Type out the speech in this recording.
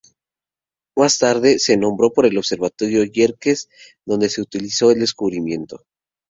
Más tarde se nombró por el Observatorio Yerkes, donde se hizo el descubrimiento.